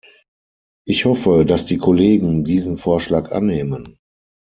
Ich hoffe, dass die Kollegen diesen Vorschlag annehmen.